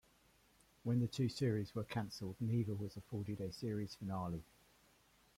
When the two series were canceled, neither was afforded a series finale.